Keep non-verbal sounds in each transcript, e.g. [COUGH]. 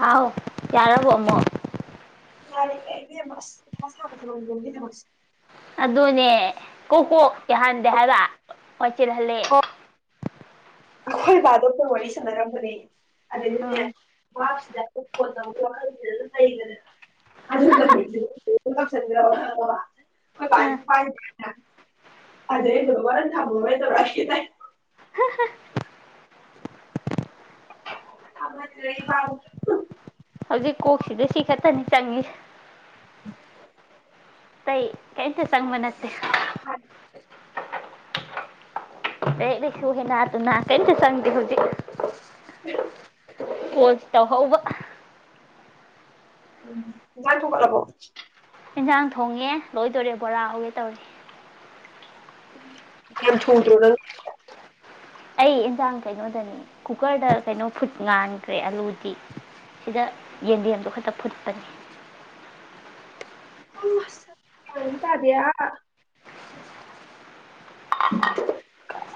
ꯍꯥꯎ ꯇꯔꯔꯕꯣꯃ ꯌꯥꯔꯦ ꯑꯩꯕꯦꯝ ꯑꯁ ꯄꯣꯊꯥ ꯁꯥꯕ ꯊꯕꯛ ꯌꯦꯣꯒꯤꯗꯕꯛꯁꯦ ꯑꯗꯨꯅꯦ ꯀꯣꯛ ꯀꯣꯛ ꯌꯥꯍꯥꯟꯗꯦ ꯍꯥꯏꯔ ꯋꯥꯆꯜꯍꯜꯂꯦ ꯑꯩꯈꯣꯏ ꯕꯥ ꯗꯣ ꯐꯣꯟ ꯋꯥꯔꯤ ꯁꯥꯟꯅꯔꯝꯕꯅꯤ ꯑ ꯑꯗꯩꯗꯤꯅꯦ [INAUDIBLE] ꯑ [INAUDIBLE] [INAUDIBLE] [INAUDIBLE] [INAUDIBLE] ꯍꯧꯖꯤꯛ ꯀꯣꯛꯁꯤꯗ ꯁꯤ ꯈꯛꯇꯅꯤ ꯆꯪꯉꯤꯁꯦ [INAUDIBLE] ꯇꯩ ꯀꯦꯝꯇ ꯆꯪꯕ ꯅꯠꯇꯦ ꯂꯥꯢꯔꯤꯛ ꯂꯥꯢꯁꯨ ꯍꯦꯟꯅꯗꯅ ꯀꯦꯝꯇ ꯆꯪꯗꯦ ꯍꯧꯖꯤꯛ [INAUDIBLE] ꯇꯧꯍꯧꯕ [UNINTELLIGIBLE] ꯏꯟꯁꯥꯡ ꯊꯣꯡꯉꯦ ꯂꯣꯏꯗꯧꯔꯦ ꯕꯣꯔꯥ ꯍꯧꯒꯦ ꯇꯧꯔꯦ ꯌꯥꯝ ꯊꯨꯗ꯭ꯔꯣ ꯑꯩ ꯑꯦꯟꯖꯥꯡ ꯀꯩꯅꯣꯗꯅꯤ ꯀꯨꯀꯔꯗ ꯀꯩꯅꯣ ꯐꯨꯠ ꯉꯥꯟꯈ꯭ꯔꯦ ꯑꯂꯨꯗꯤ ꯁꯤꯗ ꯌꯦꯟꯗꯦꯝꯗꯨ ꯈꯛꯇ ꯐꯨꯠꯄꯅꯤ [INAUDIBLE]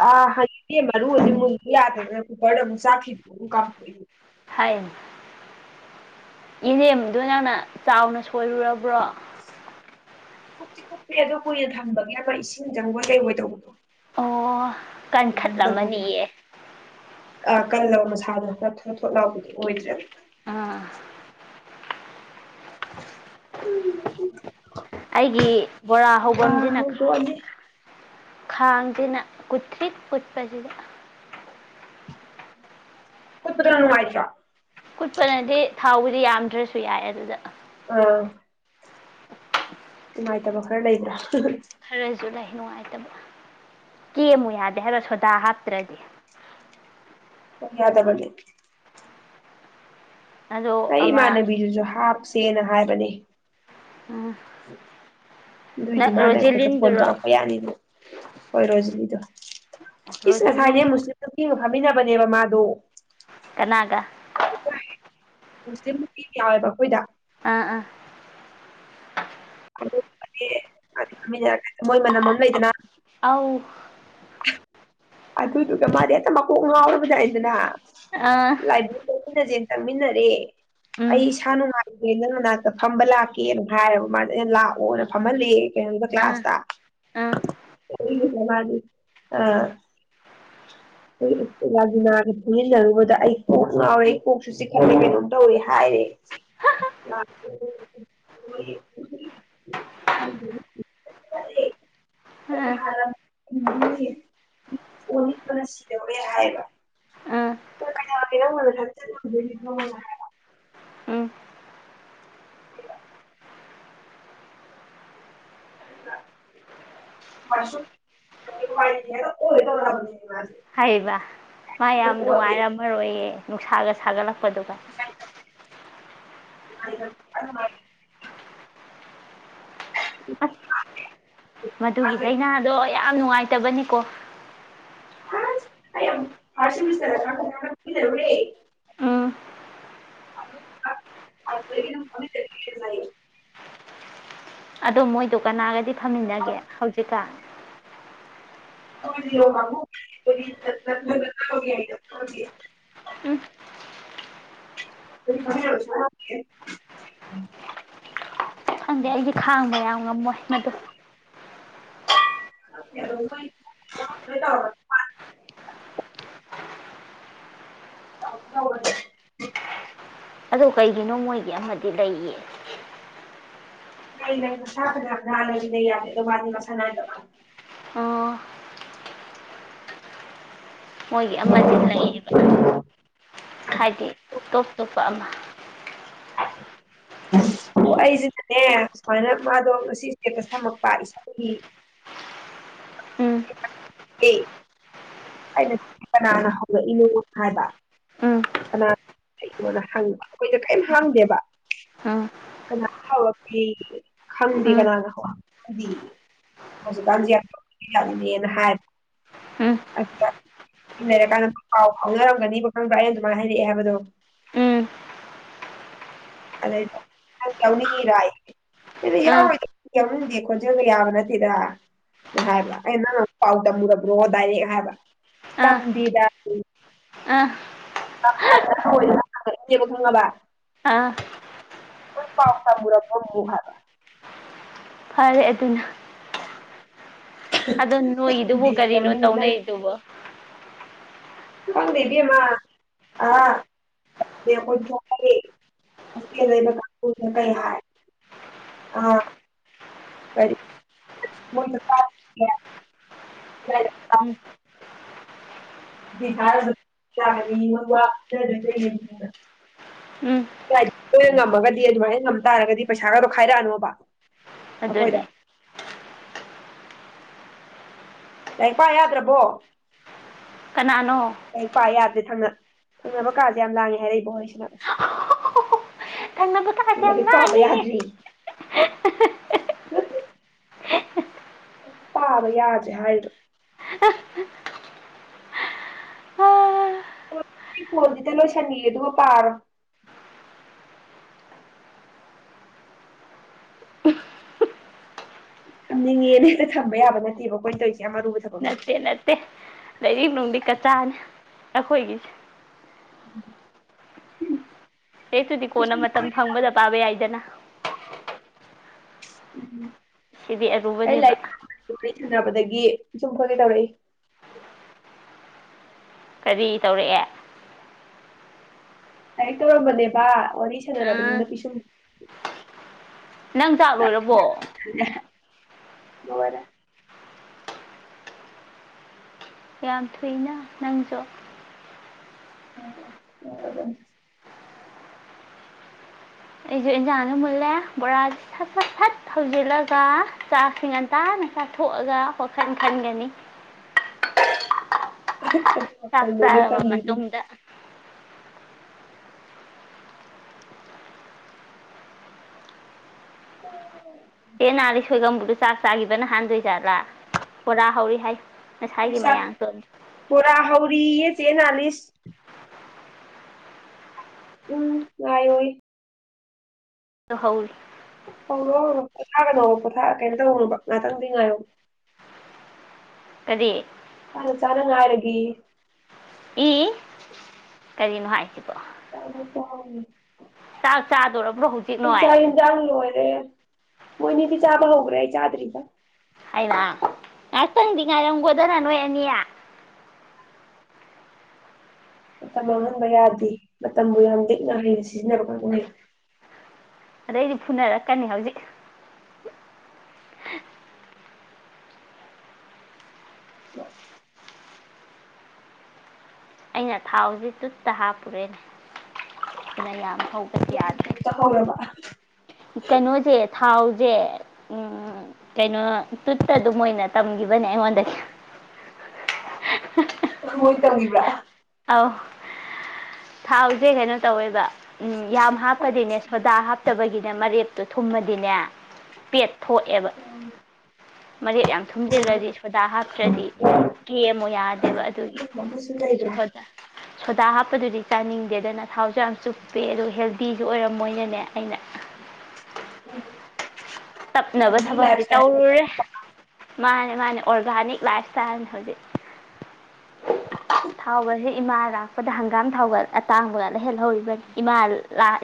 ꯑ ꯌꯦꯟꯗꯦꯝ ꯃꯔꯨꯁꯤ ꯃꯨꯟꯂꯨ ꯌꯥꯗꯥꯗꯅ ꯀꯨꯀꯔꯗ ꯑꯃꯨꯛ ꯆꯥꯛ ꯊꯤꯗꯣꯛꯑꯒ ꯀꯥꯝꯊꯣꯛꯢꯅꯤ ꯍꯥꯏꯌꯦ ꯏꯅꯦꯝꯗꯨ ꯅꯪꯅ ꯆꯥꯎꯅ ꯁꯣꯏꯔꯨꯔꯕ꯭ꯔꯣ ꯀꯨꯞꯇꯤ ꯀꯨꯞꯄꯤ ꯑꯗꯨ ꯀꯨꯏꯅ ꯊꯝꯕꯒꯤ ꯑꯃ ꯏꯁꯤꯡ ꯆꯪꯕꯣꯢ ꯀꯩꯕꯣꯢ ꯇꯧꯕꯗꯣ ꯑꯣ ꯀꯟꯈꯠꯂꯝꯃꯅꯤꯌꯦ ꯑ ꯀꯜꯂꯕ ꯃꯁꯥꯗꯣ ꯈꯔ ꯊꯣꯠ ꯊꯣꯠ ꯂꯥꯎꯕꯤꯗꯨꯣ ꯑꯣꯏꯗ꯭ꯔꯦ ꯑꯥ [INAUDIBLE] ꯑꯩꯒꯤ ꯕꯣꯔꯥ ꯑꯥ ꯍꯧꯕꯝꯁꯤꯅ ꯍꯧꯗꯣꯛꯑꯅꯤ ꯈꯥꯡꯗꯤꯅ ꯀꯨꯊꯔꯤꯛ ꯀꯨꯠꯄꯖꯤꯗ ꯀꯨꯠꯄꯗꯨꯅ ꯅꯨꯡꯉꯥꯢꯇ꯭ꯔꯣ ꯀꯨꯠꯄꯅꯗꯤ ꯊꯥꯎꯕꯨꯗꯤ ꯌꯥꯝꯗ꯭ꯔꯁꯨ ꯌꯥꯏ ꯑꯗꯨꯗ ꯑꯥ ꯅꯨꯡꯉꯥꯏꯇꯕ ꯈꯔ ꯂꯩꯕ꯭ꯔꯥ ꯈꯔꯁꯨ ꯂꯩ ꯅꯨꯡꯉꯥꯏꯇꯕ ꯀꯦꯃꯨ ꯌꯥꯗꯦ ꯍꯥꯏꯕ ꯁꯣꯗꯥ ꯍꯥꯞꯇ꯭ꯔꯗꯤ ꯍꯣꯏ ꯌꯥꯗꯕꯅꯦ ꯑꯗꯣ ꯑꯩ ꯑꯃ ꯏꯃꯥꯟꯅꯕꯤꯗꯨꯁꯨ ꯍꯥꯞ ꯁꯦꯅ ꯍꯥꯏꯕꯅꯤ ꯑꯗꯨꯏꯗꯤ ꯃꯥꯅ ꯑꯩꯈꯣꯏꯗ ꯐꯣꯟ ꯔꯣꯖꯤꯂꯤꯟꯗꯨꯔꯣ ꯇꯧꯔꯛꯄ ꯌꯥꯅꯤꯗ ꯍꯣꯏ ꯔꯣꯖꯤꯂꯤꯗꯣ ꯢꯁ ꯔꯣꯖꯤꯂꯤ ꯉꯥꯁꯥꯢꯗꯤ ꯃꯨꯁꯂꯤꯝ ꯏꯒ ꯐꯝꯃꯤꯟꯅꯕꯅꯦꯕ ꯃꯥꯗꯣ ꯀꯅꯥꯒ ꯃꯁꯂꯤꯝ ꯅꯨꯄꯤ ꯃ ꯌꯥꯎꯋꯦꯕ ꯑꯩꯈꯣꯏꯗ ꯑꯥ ꯑꯥ ꯈꯃꯤꯟꯅꯔ ꯃꯣꯏ ꯃꯅꯝ ꯑꯃ ꯂꯩꯗꯅ ꯑꯥꯎ [INAUDIBLE] ꯑꯗꯨꯗꯨꯒ ꯃꯥꯗꯤ ꯍꯦꯛꯇ ꯃꯀꯣꯛ ꯉꯥꯎꯔꯕꯖꯏꯗꯅ ꯑꯥ ꯂꯥꯏꯕꯤ ꯂ ꯅꯖꯤ ꯇꯃꯤꯟꯅꯔꯦ ꯎꯝ ꯑꯩꯁꯅ ꯃꯥ ꯅꯪ ꯃꯅꯥꯛꯇ ꯐꯝꯕ ꯂꯥꯛꯀꯦꯅ ꯍꯥꯏꯕ ꯃꯥꯗꯤ ꯑꯩꯅ ꯂꯥꯛꯑꯣꯅ ꯐꯝꯍꯜꯂꯦ ꯀꯩꯅꯣ ꯑꯥ ꯑꯥ ꯀ꯭ꯂꯥꯁꯇꯒꯤꯅ ꯃꯥꯗꯤ ꯑ ꯑꯩꯂꯥꯒꯤꯅꯥꯒꯤ ꯄꯨꯟꯁꯤꯜꯂꯔꯨꯕꯗ ꯑꯩ ꯀꯣꯛ ꯉꯥꯎꯔꯦ ꯑꯩ ꯀꯣꯛꯁꯨ ꯆ ꯀꯩꯅꯣꯝ ꯇꯧꯋꯦ ꯍꯥꯏꯔꯦ ꯑꯩ ꯑꯥ ꯍꯅꯤꯡ ꯧꯦ ꯍꯥꯏꯒ ꯑꯥ [INAUDIBLE] ꯎꯝ ꯃ ꯍꯂ ꯇꯧ ꯂꯅꯤ ꯍꯥꯏꯔꯤꯕ ꯃꯥ ꯌꯥꯝ ꯅꯨꯡꯉꯥꯏꯔꯝꯃꯔꯣꯏꯌꯦ ꯅꯨꯡꯁꯥꯒ ꯁꯥꯒꯠꯂꯛꯄ ꯐꯗꯨꯒ ꯌꯥ ꯑ ꯃꯥ ꯑꯁ [INAUDIBLE] ꯃꯗꯨꯒꯤ ꯑꯣꯠꯂꯦ ꯆꯩꯅꯥꯗꯣ ꯌꯥꯝ ꯅꯨꯡꯉꯥꯏꯇꯕꯅꯤ ꯑꯣꯐ ꯐꯥꯁꯔꯦ ꯎꯝ ꯑ ꯇꯁ ꯑꯗꯨ ꯃꯣꯏꯗꯨꯣ ꯀꯅꯥꯒ ꯗꯤ ꯐꯝꯃꯤꯟꯅꯒꯦ ꯍꯧꯖꯤꯛꯀꯥꯟ ꯊ ꯃꯥꯕꯨ ꯎꯝ [INAUDIBLE] [INAUDIBLE] ꯈꯪꯗꯦ ꯑꯩꯒꯤ ꯈꯥꯡꯕ ꯌꯥꯝ ꯉꯝꯃꯣꯏ ꯃꯗꯨ ꯇ ꯇꯗꯨꯗꯔꯗ ꯑ ꯀꯩꯒꯤꯅꯣ ꯃꯣꯏꯒꯤ ꯑꯃꯗꯤ ꯂꯩꯌꯦ ꯅ ꯅ ꯃꯁ ꯅꯒꯤ ꯌꯥꯗꯦ ꯑꯗꯨꯣꯃ ꯃꯁꯥꯅ ꯑꯣ ꯃꯣꯏꯒꯤ ꯑꯃꯗꯤ ꯂꯩꯌꯦꯕ ꯍꯥꯏꯗꯤ ꯇꯣꯞ ꯇꯣꯞꯄ ꯑꯃ ꯑꯣ ꯑꯩꯁꯤꯅꯅꯦ ꯁꯨꯃꯥꯏꯅ ꯃꯥꯗꯣ ꯉꯁꯤ ꯏꯁꯇꯦꯠꯇ ꯊꯝꯃꯛꯄ ꯏꯁꯥꯒꯤ ꯎꯝ ꯍ ꯑꯩꯅ ꯀꯅꯥꯅ ꯍꯧꯔꯛꯏꯅꯣ ꯍꯥꯏꯕ ꯎꯝ ꯀꯅꯥꯅ ꯍꯧꯔꯛꯏꯅꯣꯅ ꯍꯪꯉꯦꯕ ꯑꯩꯈꯣꯏꯗ ꯀꯔꯤꯝ ꯍꯪꯗꯦꯕ ꯎꯝ ꯀꯅꯥꯅ ꯍꯧꯔꯛꯀꯦ ꯈꯪꯗꯦ ꯀꯅꯥꯅ ꯍꯧꯔꯛ ꯈꯗꯦ ꯍꯧꯖꯤꯛꯀꯥꯟꯁ ꯌꯥꯅꯤꯅꯦꯅ ꯎꯝ ꯍꯥꯏꯕ ꯂꯩꯔꯀꯥꯟꯗ ꯄꯥꯎ ꯐꯥꯎꯅꯔꯝꯒꯅꯤꯕ ꯈꯪꯕ꯭ꯔꯥ ꯑꯩꯅ ꯑꯗꯨꯃꯥꯏꯅ ꯍꯥꯏꯔꯛꯑꯦ ꯍꯥꯏꯕꯗꯣ ꯎꯝ ꯎꯝ ꯑꯗꯩꯗ ꯌꯥꯎꯅꯤꯡꯉꯤꯔ ꯑꯩꯅ ꯑꯥ ꯌꯥꯎꯔ ꯌꯥꯎꯅꯤꯡꯗꯦ ꯈꯣꯟꯖꯦꯜꯒ ꯌꯥꯕ ꯅꯠꯇꯦꯗ ꯍꯥꯏꯕ꯭ꯔꯥ ꯑꯩ ꯅꯪ ꯑꯃ ꯄꯥꯎ ꯇꯝꯃꯨꯔꯕ꯭ꯔꯣ ꯗꯥꯏꯔꯦꯛ ꯍꯥꯏꯕ ꯑꯥ ꯇꯝꯗꯤꯗ ꯑꯥ ꯕ ꯑꯥ ꯑꯩꯣꯏ ꯄꯥꯎꯇꯥ ꯃꯔꯄ ꯃꯨꯍꯕ ꯐꯔꯦ ꯑꯗꯨꯅ ꯑꯗꯣ ꯅꯣꯏꯗꯨꯕꯨ ꯇꯝꯗꯦ ꯀꯔꯤꯅꯣ ꯌꯥꯎꯅꯤꯡ ꯇꯧꯅꯩꯗꯨꯕ ꯈꯪꯗꯦꯕꯤ ꯏꯃ ꯑ ꯑꯩꯈꯣꯏ ꯂꯩꯕ ꯀꯥꯡꯅ ꯀꯩ ꯍꯥꯏ ꯑ ꯎꯝ ꯎꯝ ꯣꯏꯅ ꯉꯝꯃꯒꯗꯤ ꯑꯗꯨꯃꯥꯏꯅ ꯉꯝ ꯇꯥꯔꯒꯗꯤ ꯄꯩꯁꯥ ꯈꯗꯣ ꯈꯥꯏꯔꯛꯑꯅꯣꯕ ꯑꯩꯈꯣꯏꯗ ꯑꯗꯨꯗꯅꯦ ꯂꯔꯤꯛ ꯄꯥ ꯌꯥꯗ꯭ꯔꯕꯣ ꯀꯅꯥꯅꯣ ꯑꯩ ꯄꯥ ꯌꯥꯗꯦ ꯊꯪꯅ ꯊꯪꯅꯕ ꯀꯥꯁꯦ ꯌꯥꯝ ꯂꯥꯡꯉꯦ ꯍꯥꯏꯔꯛꯏꯕ ꯍꯣꯔꯩ ꯁꯁꯤꯗ ꯊꯪꯅꯕꯗ ꯀꯥꯁꯦ ꯌꯥꯝ ꯉꯔꯤꯛ ꯄꯥꯕ ꯂꯥꯡꯉꯤꯍꯦ ꯌꯥꯗ꯭ꯔꯤ ꯍ ꯑꯩ ꯇꯥꯕ ꯌꯥꯁꯦ ꯍꯥꯏꯕ ꯑꯥ ꯐꯣꯜꯗꯤꯗ ꯂꯣꯏꯁꯅꯤꯦ ꯑꯗꯨꯒꯒ ꯄꯔ ꯊꯝꯅꯤꯡꯉꯦꯅꯦ ꯍꯦꯛꯇ ꯊꯝꯕ ꯌꯥꯕ ꯅꯠꯇꯦꯕ ꯀꯣꯏ ꯇꯧꯁꯦ ꯀꯃ ꯧꯕ ꯊꯄ ꯂꯩꯔꯤꯛꯅꯨꯡꯗꯤ ꯀꯆꯥꯅꯦ ꯑꯩꯈꯣꯏꯒꯤꯁꯦ ꯎ ꯍꯦꯛꯇꯨꯗꯤ ꯀꯣꯟꯅ ꯃꯇꯝ ꯐꯪꯕꯗ ꯄꯥꯕ ꯌꯥꯏꯗꯅ ꯎꯝ ꯁꯤꯕꯤ ꯑꯔꯨꯕꯅꯦꯕ ꯁꯥꯟꯅꯕꯗꯒꯤ ꯁꯨꯝ ꯐꯒꯦ ꯇꯧꯔꯛꯏ ꯀꯔꯤ ꯇꯧꯔꯛꯑꯦ ꯂꯥꯏꯔꯤꯛ ꯇꯧꯔꯝꯕꯅꯦꯕ ꯋꯥꯔꯤ ꯑꯥ ꯁꯥꯟꯅꯔꯕꯅꯤꯅ ꯄꯤꯁꯨꯝ ꯅꯪ ꯆꯥꯛ ꯂꯣꯏꯔꯕꯣ ꯉꯔꯦ ꯌꯥꯝ ꯊꯨꯏꯅ ꯅꯪꯁꯨ ꯑꯣ ꯍꯔꯒꯅꯤ ꯑꯩꯁꯨ ꯏꯟꯖꯥꯡꯅ ꯃꯨꯜꯂꯦ ꯕꯣꯔꯥꯁꯦ ꯁꯠ ꯁꯠ ꯁꯠ ꯊꯧꯖꯤꯜꯂꯒ ꯆꯥꯛꯁꯤ ꯉꯟꯇꯥꯅ ꯆꯥꯊꯣꯛꯑꯒ ꯋꯥꯣꯈꯟ ꯈꯟꯒꯅꯤ ꯀꯔꯤ ꯆ ꯋꯥꯈꯜꯅꯣꯅꯦ ꯆꯥꯕ ꯃ ꯈꯟꯗꯣꯏꯁꯤꯕꯣ ꯇꯗ ꯑꯣ ꯑꯦꯦ ꯅꯥꯜꯂꯤ ꯁꯣꯏꯒꯕꯨꯗꯣ ꯆꯥꯛ ꯆꯥꯈꯤꯕꯅ ꯍꯥꯟꯗꯣꯏꯖꯥꯠꯂꯥ ꯕꯣꯔꯥ ꯍꯧꯔꯤ ꯍꯥꯏ ꯅꯣꯏ ꯉꯁꯥꯏꯒꯤ ꯆꯥꯛ ꯃꯌꯥꯝ ꯁꯣ ꯕꯣꯔꯥ ꯆꯦ ꯆꯥꯅꯤꯁ ꯎꯝ ꯌꯥꯏꯣꯏ ꯂꯍꯜ ꯍꯧꯔꯣ ꯍꯧꯔꯣ ꯄꯣꯊꯥꯒꯅꯣꯕ ꯄꯣꯊꯥ ꯀꯩꯅꯣ ꯇꯧꯍꯧꯅꯣꯕ ꯉꯍꯥꯛꯇꯪꯗꯤ ꯉꯥꯏꯌꯣ ꯑꯗꯤ ꯆꯥꯅ ꯆꯥꯅ ꯉꯥꯏꯔꯒ ꯏ ꯀꯔꯤꯅꯣ ꯍꯥꯏꯁꯤꯕꯣ ꯇꯕꯨ ꯐꯅꯤ ꯆꯥꯛ ꯆꯥꯗꯣꯔꯕ꯭ꯔꯣ ꯍꯧꯖꯤꯛ ꯅꯣꯏ ꯄꯩꯁꯥ ꯏꯗꯥꯎ ꯂ ꯑꯣꯏꯔꯦ ꯃꯣꯏꯅꯤꯗꯤ ꯆꯥꯕ ꯍꯧꯒ꯭ꯔꯦ ꯆꯥꯗꯔꯤꯗ ꯍꯥꯏꯅ ꯉꯥꯏꯍꯥꯛꯇꯪꯗꯤ ꯉꯥꯏꯔꯝꯒꯣꯗꯅ ꯅꯣꯏ ꯑꯅꯤꯌꯥ ꯃꯇꯝ ꯃꯥꯡꯍꯟꯕ ꯌꯥꯗꯦ ꯃꯇꯝꯕꯨ ꯌꯥꯝ ꯂꯤꯛꯅ ꯍꯩꯅ ꯁꯤꯖꯤꯟꯅꯕ ꯍꯣꯠꯅꯩ ꯑꯗꯩꯗꯤ ꯐꯨꯅꯔꯛꯀꯅꯤ ꯍꯧꯖꯤꯛ ꯑꯩꯅ ꯊꯥꯎꯁꯤ ꯇꯨꯠꯇ ꯍꯥꯞꯄꯨꯔꯦꯅꯦ ꯑꯗꯨꯅ ꯂ ꯍꯧ ꯌꯥꯗ ꯍꯧꯖꯤꯛꯇꯤ ꯇꯥꯍꯧꯔꯕ ꯏ ꯀꯩꯅꯣꯖꯦ ꯊꯥꯎꯁꯦ ꯀꯩꯅꯣ ꯇꯨꯠꯇ ꯑꯗꯨꯝ ꯑꯣꯏꯅ ꯇꯝꯈꯤꯕꯅꯦ ꯑꯩꯉꯣꯟꯗꯒꯤ ꯃꯣꯏ ꯇꯧꯉꯕ꯭ꯔꯥ ꯑꯧ ꯊꯥꯎꯁꯦ ꯀꯩꯅꯣ ꯇꯧꯋꯦꯕ ꯎꯝ ꯌꯥꯝ ꯍꯥꯞꯄꯗꯤꯅꯦ ꯁꯣꯗꯥ ꯍꯥꯞꯇꯕꯒꯤꯅꯦ ꯃꯔꯦꯛꯞ ꯑꯗꯨ ꯊꯨꯝꯃꯗꯤꯅꯦ ꯄꯦꯠ ꯊꯣꯛꯑꯦꯕ ꯎꯝ ꯎꯝ ꯃꯔꯦꯛ ꯌꯥꯝ ꯊꯨꯝꯖꯤꯜꯂꯗꯤ ꯁꯣꯗꯥ ꯍꯥꯞꯇ꯭ꯔꯗꯤ ꯀꯦꯃꯨ ꯌꯥꯗꯦꯕ ꯑꯗꯨꯒꯤ ꯑꯗꯨꯝꯕ ꯑꯃꯁꯨ ꯂꯩꯕ꯭ꯔꯥ ꯁꯣꯗꯥ ꯍꯥꯞꯄꯗꯨꯗꯤ ꯆꯥꯅꯤꯡꯗꯦꯗꯅ ꯊꯥꯎꯁꯨ ꯌꯥꯝ ꯆꯨꯞꯄꯦ ꯑꯗꯨ ꯍꯦꯜꯗꯤꯁꯨ ꯑꯣꯏꯔꯝꯃꯣꯏꯅꯅꯦ ꯑꯩꯅ ꯎꯝ ꯇꯞꯅꯕ ꯍꯦꯜꯗꯤ ꯂꯥꯏꯐ ꯊꯕꯛꯁꯤ ꯏꯁꯇꯥꯏꯜ ꯇꯧꯔꯨꯔꯦ ꯃꯥꯅꯦ ꯃꯥꯅꯦ ꯑꯣꯔꯒꯥꯅꯤꯛ ꯂꯥꯏꯐ ꯏꯁꯇꯥꯏꯜꯅꯦ ꯍꯧꯖꯤꯛ ꯊꯥꯎꯒꯁꯦ ꯏꯃꯥ ꯂꯥꯛꯄꯗ ꯍꯪꯒꯥꯝ ꯊꯥꯎꯒ ꯑꯇꯥꯡꯕꯒꯂ ꯍꯦꯂꯦ ꯍꯧꯔꯤꯕ ꯏꯃꯥꯜ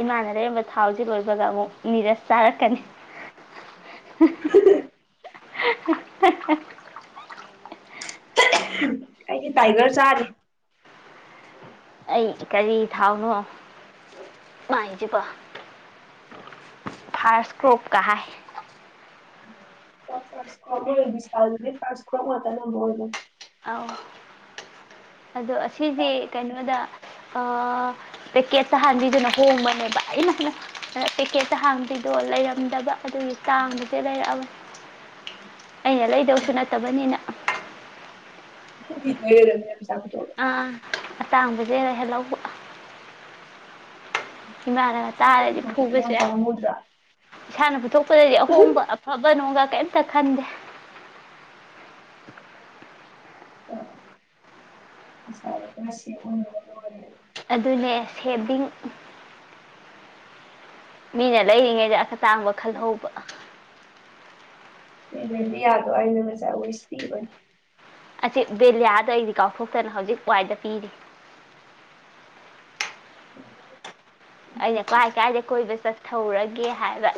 ꯏꯃꯥꯅ ꯂꯩꯔꯝꯕ ꯊꯥꯎꯁꯦ ꯂꯣꯏꯕꯒ ꯑꯃꯨꯛ ꯅꯤꯔꯁ ꯆꯥꯔꯛꯀꯅꯤ [INAUDIBLE] [INAUDIBLE] ꯀꯥꯏ ꯇꯥꯏꯒꯔ ꯆꯔꯦ ꯑꯩ ꯀꯔꯤ ꯊꯥꯎꯅꯣ ꯃꯥꯏꯁꯤꯕꯣ ꯐꯥꯔꯁ ꯀ꯭ꯔꯣꯞꯀ ꯍꯥꯏ ꯐꯔꯁ ꯀ꯭ꯔꯣꯁ ꯐꯔꯁ ꯀ꯭ꯔꯣꯝ ꯃꯇꯝ ꯅ ꯃꯣꯜ ꯑ ꯑꯗꯣ ꯑꯁꯤꯁꯦ ꯀꯩꯅꯣꯗ ꯄꯦꯛꯀꯦꯠ ꯆ ꯍꯥꯡꯕꯤꯗꯨꯅ ꯍꯣꯡꯕꯅꯦꯕ ꯑꯩꯅ ꯄꯦꯛꯀꯦꯠꯠꯇ ꯍꯥꯡꯕꯤꯗꯣ ꯂꯩꯔꯝꯗꯕ ꯑꯗꯨꯒꯤ ꯆꯥꯡꯗꯨꯗꯤ ꯂꯩꯔꯛꯑꯕ ꯑꯩꯅ ꯂꯩꯗꯧꯁꯨ ꯅꯠꯇꯕꯅꯤꯅ ꯔ ꯑꯥ ꯑꯇꯥꯡꯕꯁꯦ ꯍ ꯍꯦꯜ ꯂꯧꯕ ꯏꯃꯂꯒ ꯏꯁꯥꯅ ꯇꯥꯔꯦꯗꯤ ꯄꯨꯊꯣꯛꯄꯗꯤ ꯌꯥꯝ ꯐꯨꯕꯁꯦ ꯄꯥꯝꯃꯨꯗ꯭ꯔꯥ ꯁꯅꯕꯕꯨ ꯊꯣ ꯄꯗꯗꯤ ꯑꯍꯣꯡꯕ ꯑꯐꯕ ꯅꯨꯡꯒ ꯀꯩꯝꯇ ꯈꯟꯗꯦ ꯑꯁꯥꯗ ꯔꯁꯤꯌꯥ ꯑꯣꯏ ꯑꯗꯨꯅꯦ ꯁꯦꯚꯡ ꯃꯤꯅꯦꯂ ꯍꯦ ꯇꯥꯡꯕ ꯈꯜꯍꯧꯕ ꯌꯥꯗ ꯑꯣꯏꯏ ꯃꯖꯥ ꯏꯁ ꯄꯤꯕꯅꯤ ꯑꯁꯤ ꯕꯦꯂꯤꯌꯥꯗ ꯑꯩꯗꯤ ꯀꯥꯎꯊꯣꯛꯇꯅ ꯍꯧꯖꯤꯛ ꯋꯥꯏꯗ ꯄꯤꯔꯤ ꯑꯩꯅ ꯀꯥꯏ ꯀꯦ ꯀꯣꯏ ꯊꯧꯔꯒꯦ ꯍꯥꯏꯕ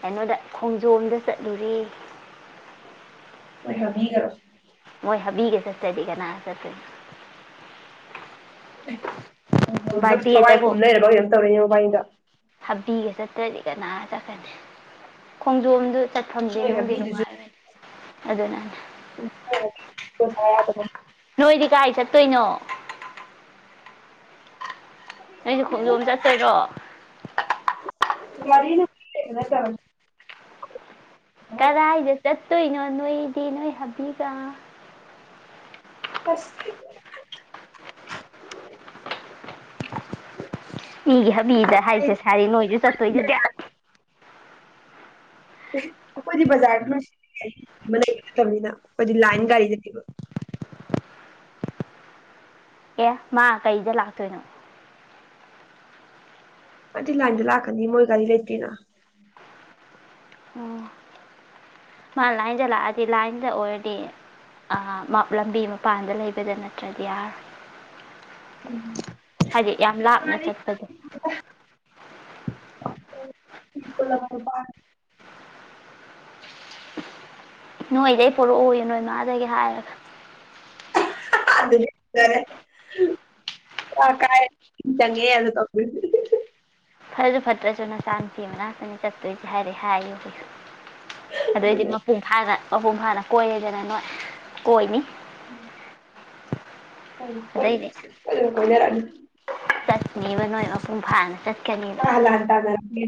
ꯀꯩꯅꯣꯗ ꯈꯣꯡꯖꯣꯝꯗ ꯆꯠꯂꯨꯔꯤ ꯑꯣꯏ ꯍꯥꯕꯤꯒꯔꯣꯦ ꯊꯕꯤꯒꯦ ꯆꯠꯠꯇꯗꯤ ꯀꯅꯥ ꯆꯠꯠꯇ ꯊꯋꯥꯏ ꯄꯨꯝ ꯂꯩꯔꯕ ꯀꯩꯝ ꯇꯧꯔ ꯋꯥꯥꯏꯗ ꯍꯥꯕꯤꯒ ꯆꯠꯇ꯭ꯔꯗꯤ ꯀꯅꯥ ꯆꯠꯀꯅꯤ ꯈꯣꯡꯖꯣꯝꯗꯨ ꯐꯝꯗꯤ ꯅꯣꯏ ꯅꯨꯡꯗꯤ ꯅꯨꯡꯉꯥꯏꯔꯦ ꯑꯗꯨꯗ ꯅ ꯎꯁ ꯑꯗꯨꯃ ꯅꯣꯏꯗꯤ ꯀꯥꯏ ꯆꯠꯇꯣꯏꯅꯣ ꯅꯁ ꯈꯪꯗꯦꯗ ꯈꯣꯡꯖꯣꯝ ꯆꯠꯇꯣꯏꯔꯣ ꯃꯔꯤꯅ ꯀꯔ ꯍꯥꯏꯗꯦꯦ ꯆꯠꯇꯣꯏꯅꯣ ꯅꯣꯏꯗꯤ ꯅꯣꯏ ꯍꯥꯞꯕꯤꯒ ꯐꯁ ꯎ ꯃꯤꯒꯤ ꯍꯥꯕꯤꯗ ꯍꯥꯏꯁꯦ ꯁꯥꯔꯤ ꯅꯣꯏꯁꯨ ꯑꯩꯈꯣꯏꯗꯤ ꯆꯠꯇꯣꯏꯗꯨꯗꯤ ꯑꯩꯈꯣꯏꯗꯤ ꯕꯖꯥꯔ ꯈꯔ ꯃꯅꯩ ꯅꯠꯇꯕꯅꯤꯅ ꯑꯩꯈꯣꯏꯗꯤ ꯂꯥꯏꯟ ꯒꯥꯔꯤ ꯅꯠꯇꯕ ꯑꯦ ꯃꯥ ꯀꯩꯗ ꯂꯥꯛꯇꯣꯏꯅꯣ ꯑꯗꯨ ꯂꯥꯏꯟꯗꯣ ꯂꯥꯛꯀꯅꯤ ꯃꯣꯏ ꯒꯥꯔꯤ ꯂꯩꯇꯦꯅ ꯑꯣ ꯃꯥ ꯂꯥꯏꯟꯗ ꯂꯥꯛꯑꯗꯤ ꯂꯥꯏꯟꯗ ꯑꯣꯏꯔꯗꯤ ꯂꯝꯕꯤ ꯃꯄꯥꯟꯗ ꯂꯩꯕꯗ ꯅꯠꯇ꯭ꯔꯗꯤ ꯌꯥꯔꯣꯏ ꯍꯥꯏꯗꯤ ꯌꯥꯝ ꯂꯥꯞꯅ ꯒꯥꯔꯤ ꯆꯠꯄꯁꯦ ꯑꯣ ꯅꯣꯏꯗꯩ ꯄꯨꯔꯛꯎ ꯅꯣꯏ ꯃꯥꯗꯒꯤ ꯍꯥꯏꯔꯒ ꯗꯤꯔꯦ ꯀꯥꯏ ꯆꯪꯉꯦ ꯑꯗꯨ ꯇꯧ ꯐꯁꯨ ꯐꯠꯇ꯭ꯔꯁꯨ ꯅ ꯁꯥꯟꯇꯤ ꯑꯃꯅꯥꯛꯇꯅꯤ ꯆꯠꯇꯣꯏꯁꯦ ꯍꯥꯏꯔꯦ ꯍꯥꯏꯌꯨ ꯑꯗꯨꯏꯗꯤ ꯃꯄꯨꯡ ꯐꯥꯒ ꯑꯍꯨꯝ ꯍꯥꯟꯅ ꯀꯣꯏꯔꯦꯗꯅ ꯅꯣꯏ ꯀꯣꯏꯅꯤ ꯎꯝ ꯣꯏꯣꯏ ꯀꯣꯏꯗꯅ ꯀꯣꯏꯅꯦꯔꯅꯤ ꯆꯠꯂꯤꯕ ꯅꯣꯏ ꯃꯄꯨꯡ ꯐꯥꯅ ꯆꯠ ꯑ ꯑꯂ ꯇꯒꯅꯤ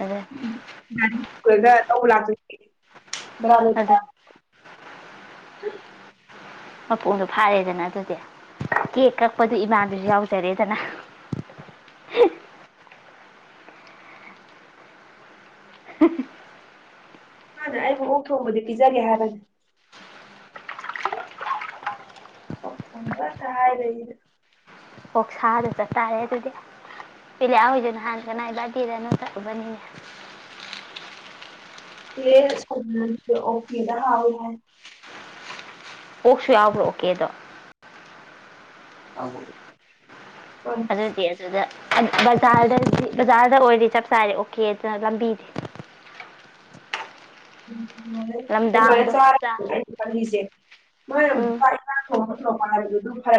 ꯑꯗꯨ ꯃꯥ ꯂꯧ ꯂꯥꯛꯇ ꯃ ꯑꯗꯨ ꯃꯄꯨꯡꯗꯣ ꯐꯥꯔꯦꯗꯅ ꯑꯗꯨꯗꯤ ꯀꯦꯛ ꯀꯛꯄꯗꯨ ꯏꯃꯥꯟꯗꯨꯁꯨ ꯌꯥꯎꯖꯔꯦꯗꯅ [INAUDIBLE] ꯃꯥꯅꯦ ꯑꯩꯕꯨ ꯑꯣꯨꯛ ꯊꯣꯡꯕꯗꯤ ꯄꯤꯖꯒꯦ ꯍꯥꯏꯕꯅꯦ ꯑꯣ ꯊꯣꯡꯕ ꯇ ꯍꯥꯏꯔꯗ ꯑꯣꯣꯛꯁꯥꯗ ꯆꯠꯇꯥꯔꯦ ꯑꯗꯨꯗꯤ ꯄꯤꯂꯦ ꯍꯣꯏꯁꯨ ꯅꯍꯥꯟꯒꯅꯥꯏꯕꯗꯤꯔꯅ ꯆꯠꯂꯨꯕꯅꯤꯅꯦ ꯑꯣ ꯐꯗ ꯍꯥꯥꯎ ꯍꯥꯏ ꯑꯣꯛꯁꯨ ꯌꯥꯎꯕ꯭ꯔꯣ ꯑꯣꯀꯦꯗꯣ ꯑ ꯑꯗꯨꯗꯤ ꯑꯗꯨꯗ ꯖꯗ ꯖꯔꯗ ꯑꯣꯏꯔꯤ ꯆꯞ ꯆꯥꯔꯦ ꯑꯣꯀꯦ ꯑꯗꯨꯅ ꯂꯝꯕꯤꯗꯤꯦ ꯎꯝ ꯑꯗꯨꯃꯥꯏꯅ ꯂꯝꯗꯥꯡꯗꯣ ꯆ ꯆꯥ ꯂꯤꯖꯦ ꯎꯝ ꯊꯄꯒꯗꯨ ꯐꯔ